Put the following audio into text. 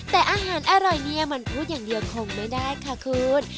แต่อาหารอร่อยเนี่ยมันพูดอย่างเดียวคงไม่ได้ค่ะคุณ